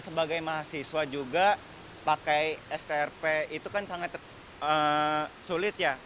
sebagai mahasiswa juga pakai strp itu kan sangat sulit ya